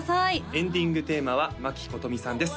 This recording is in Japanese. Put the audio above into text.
エンディングテーマは真木ことみさんです